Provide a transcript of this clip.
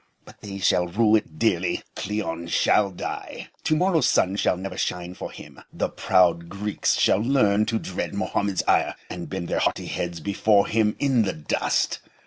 But they shall rue it dearly. Cleon shall die. To morrow's sun shall never shine for him. The proud Greeks shall learn to dread Mohammed's ire, and bend their haughty heads before him in the dust.